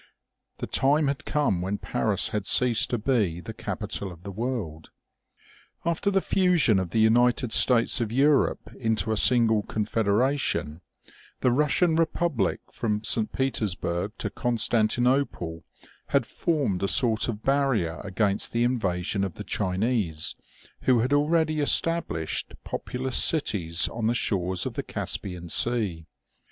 The time had come when Paris had ceased to be the capital of the world. After the fusion of the United States of Europe into a single confederation, the Russian republic from St. Peters burg to Constantinople had formed a sort of barrier against the invasion of the Chinese, who had already established populous cities on the shores of the Caspian sea.